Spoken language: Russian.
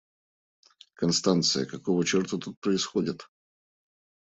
Констанция, какого черта тут происходит?